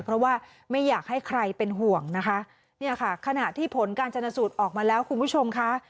เพราะว่าไม่อยากให้ใครเป็นห่วงนะคะเนี่ยค่ะขณะที่ผลการชนสูตรออกมาแล้วคุณผู้ชมค่ะ